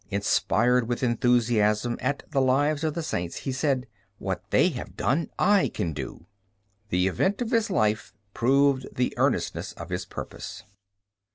Inspired with enthusiasm at the lives of the saints, he said, "What they have done, I can do." The event of his life proved the earnestness of his purpose.